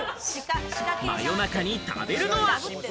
夜中に食べるのは？